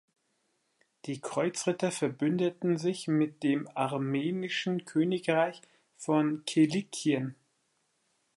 Die Kreuzritter verbündeten sich mit dem Armenischen Königreich von Kilikien.